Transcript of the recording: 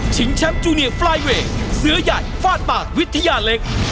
แชมป์จูเนียฟลายเวทเสื้อใหญ่ฟาดปากวิทยาเล็ก